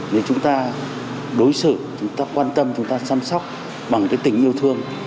nếu chúng ta đối xử chúng ta quan tâm chúng ta chăm sóc bằng cái tình yêu thương